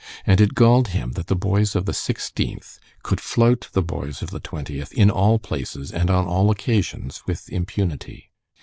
And it galled him that the boys of the Sixteenth could flout the boys of the Twentieth in all places and on all occasions with impunity.